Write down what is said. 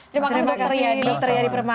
terima kasih dr yadi